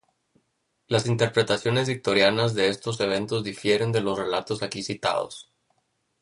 Las interpretaciones victorianas de estos eventos difieren de los relatos aquí citados.